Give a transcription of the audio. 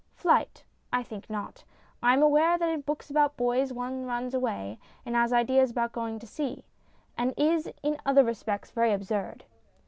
Flight? I think not. I am aware that in books about boys one runs away, and has ideas about going to sea, and is in other respects very absurd.